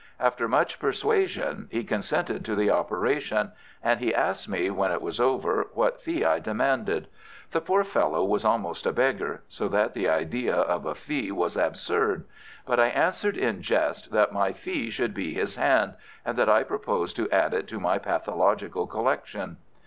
After much persuasion he consented to the operation, and he asked me, when it was over, what fee I demanded. The poor fellow was almost a beggar, so that the idea of a fee was absurd, but I answered in jest that my fee should be his hand, and that I proposed to add it to my pathological collection.